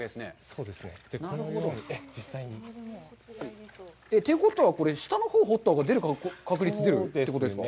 そうですね、このように、実際に。ということは、下のほうを掘ったほうが、出る確率が出るということですか。